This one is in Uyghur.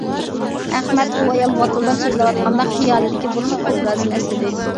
ئەخمەت ئۇ ئايال ۋاتىلداپ سۆزلەۋاتقاندا خىيالىدىكى بۇرۇنقى ئوبرازىنى ئەسلىدى.